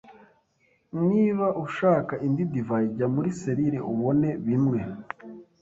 Niba ushaka indi divayi, jya muri selire ubone bimwe.